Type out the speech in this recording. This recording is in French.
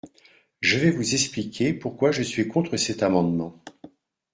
Je vais vous expliquer pourquoi je suis contre cet amendement.